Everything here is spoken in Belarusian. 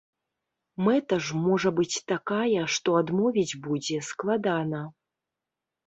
Мэта ж можа быць такая, што адмовіць будзе складана!